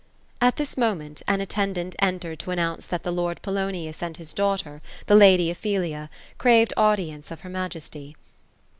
At this moment, an attendant entered to announce that the lord Polonius and his daughter, the lady Ophelia, craved audience of her majesty.